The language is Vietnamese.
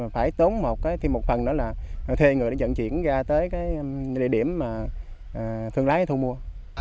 phải tốn thêm một phần nữa là thuê người để dẫn chuyển ra tới cái địa điểm mà thương lái thu mua